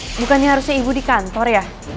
bukannya harusnya ibu di kantor ya